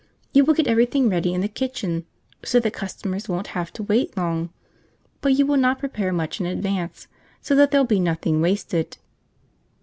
You will get everything ready in the kitchen, so that customers won't have to wait long; but you will not prepare much in advance, so that there'll be nothing wasted."